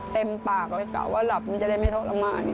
เต็มปากเลยกะว่าหลับมันจะได้ไม่ทรมาน